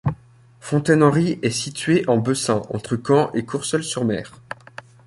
Fontaine-Henry est située en Bessin, entre Caen et Courseulles-sur-Mer.